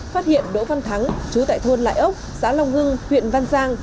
phát hiện đỗ văn thắng chú tại thôn lại ốc xã long hưng huyện văn giang